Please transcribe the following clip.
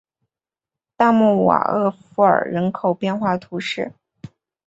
大穆瓦厄夫尔人口变化图示